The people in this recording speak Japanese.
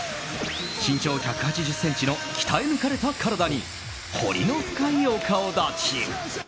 身長１８０ｃｍの鍛え抜かれた体に彫りの深いお顔立ち。